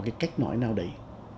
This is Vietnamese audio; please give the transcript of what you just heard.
cái cách nói nào đấy